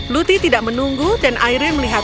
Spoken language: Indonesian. luti tidak menunggu dan akhirnya melihat